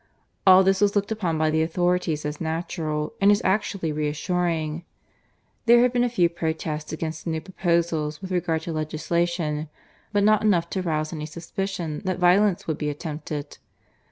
All this was looked upon by the authorities as natural, and as actually reassuring. There had been a few protests against the new proposals with regard to legislation; but not enough to rouse any suspicion that violence would be attempted.